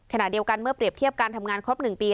ขณะเดียวกันเมื่อเปรียบเทียบการทำงานครบ๑ปี